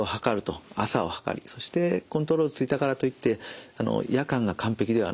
朝を測りそしてコントロールついたからといって夜間が完璧ではないと。